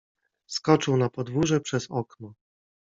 Skoczył na podwórze przez okno.